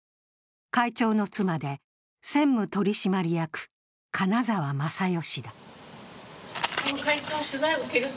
会長の妻で、専務取締役・金沢昌代氏だ。